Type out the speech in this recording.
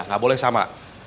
gak boleh sama